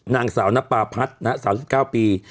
นางสาวนปราพัฒน์นางสาวสิบเก้าปี